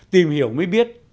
tìm hiểu mới biết